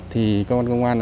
thì các quan công an